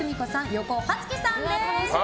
横尾初喜さんです。